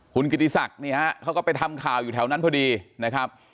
คุณกิติศักดิ์นี่ฮะเขาก็ไปทำข่าวอยู่แถวนั้นพอดีนะครับ